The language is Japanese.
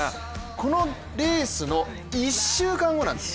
このレースの１週間後なんです